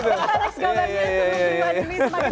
semakin luar jembatan semakin labar